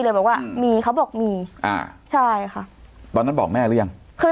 เลยบอกว่ามีเขาบอกมีอ่าใช่ค่ะตอนนั้นบอกแม่หรือยังเคย